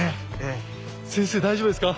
先生大丈夫ですか？